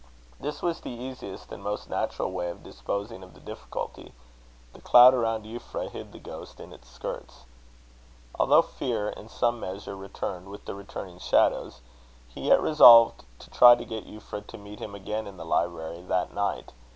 This was the easiest and most natural way of disposing of the difficulty. The cloud around Euphra hid the ghost in its skirts. Although fear in some measure returned with the returning shadows, he yet resolved to try to get Euphra to meet him again in the library that night.